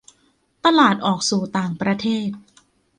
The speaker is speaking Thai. ตลาดออกสู่ต่างประเทศ